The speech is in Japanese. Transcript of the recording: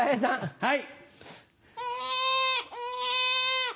はい。